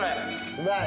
うまい？